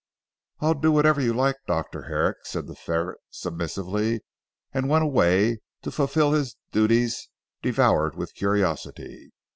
"I'll do whatever you like Dr. Herrick," said the ferret submissively, and went away to fulfil his duties devoured with curiosity.